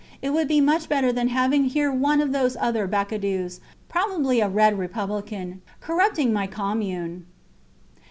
It would be much better than having here one of those other Bacadous, probably a red republican, corrupting my commune.